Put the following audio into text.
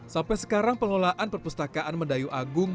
sampai sekarang pengelolaan perpustakaan mendayu agung